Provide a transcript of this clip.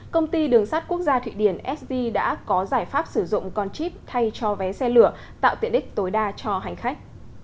công ty đường sắt quốc gia thụy điển sd đã có giải pháp sử dụng con chip thay cho vé xe lửa tạo tiện ích tối đa cho hành khách